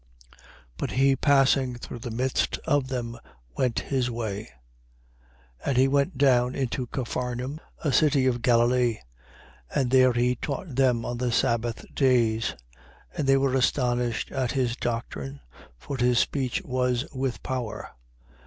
4:30. But he passing through the midst of them, went his way. 4:31. And he went down into Capharnaum, a city of Galilee: and there he taught them on the sabbath days. 4:32. And they were astonished at his doctrine: for his speech was with power.